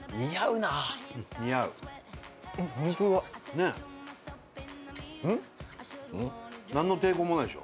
なんの抵抗もないでしょ？